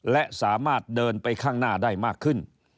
และสามารถเดินไปข้างหน้าได้มากขึ้น